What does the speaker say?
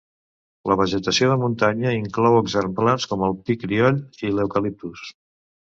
La vegetació de muntanya inclou exemplars com el pi crioll i l'eucaliptus.